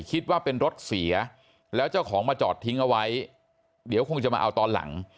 คิดว่าเป็นรถเสียแล้วเจ้าของมาจอดทิ้งเอาไว้เดี๋ยวคงจะมาเอาตอนหลัง